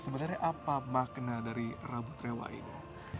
sebenarnya apa makna dari rabu trewa ini